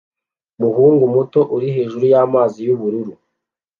umuhungu muto uri hejuru y'amazi y'ubururu